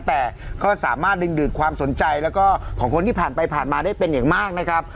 แต่ก็สามารถดึงดูดความสนใจแล้วก็ของคนที่ผ่านไปผ่านมาได้เป็นอย่างมากนะครับ